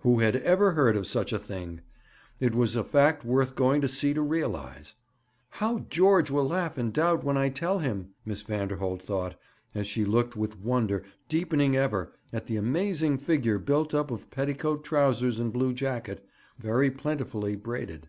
Who had ever heard of such a thing? It was a fact worth going to sea to realize. 'How George will laugh and doubt when I tell him!' Miss Vanderholt thought, as she looked with wonder, deepening ever, at the amazing figure built up of petticoat trousers and blue jacket, very plentifully braided.